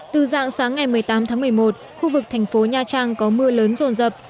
từ dạng sáng ngày một mươi tám tháng một mươi một khu vực thành phố nha trang có mưa lớn rồn rập